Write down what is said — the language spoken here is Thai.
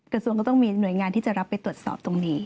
กระทรวงก็ต้องมีหน่วยงานที่จะรับไปตรวจสอบตรงนี้